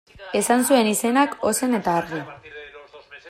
Esan zuen izenak ozen eta argi.